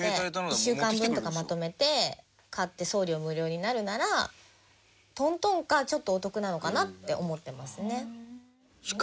１週間分とかまとめて買って送料無料になるならトントンかちょっとお得なのかなって思ってますね。